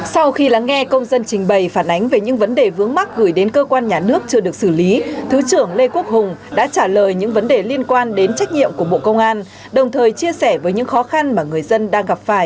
sau khi lắng nghe công dân trình bày phản ánh về những vấn đề vướng mắt gửi đến cơ quan nhà nước chưa được xử lý thứ trưởng lê quốc hùng đã trả lời những vấn đề liên quan đến trách nhiệm của bộ công an đồng thời chia sẻ với những khó khăn mà người dân đang gặp phải